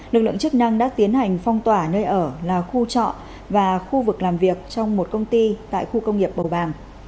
lực lượng chức năng đã tiến hành phong tỏa nơi ở là khu trọ và khu vực làm việc trong một công ty tại khu công nghiệp bầu bàng